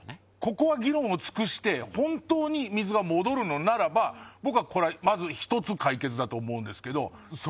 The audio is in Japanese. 海海議論を尽くして本当に水が戻るのならば佑これはまずひとつ解決だと思うんですけど修